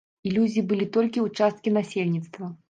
Ілюзіі былі толькі ў часткі насельніцтва.